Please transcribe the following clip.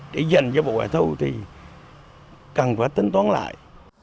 để dành cho bộ hệ thống thì cần phải tính toán lại